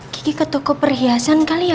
gigi ke toko perhiasan kali ya